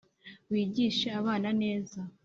wigishe abana neza